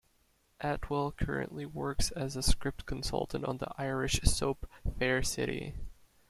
Atwell currently works as a script consultant on the Irish soap Fair City.